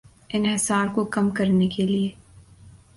انحصار کو کم کرنے کے لیے